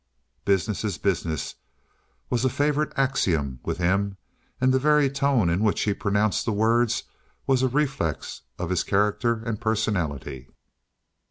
"Business is business," was a favorite axiom with him and the very tone in which he pronounced the words was a reflex of his character and personality.